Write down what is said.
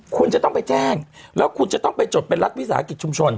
คุณจะต้องไปแจ้งแล้วคุณจะต้องไปจดเป็นรัฐวิสาหกิจชุมชน